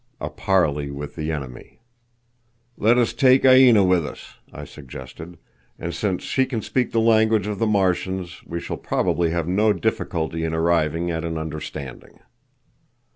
A Parley with the Enemy. "Let us take Aina with us," I suggested, "and since she can speak the language of the Martians we shall probably have no difficulty in arriving at an understanding."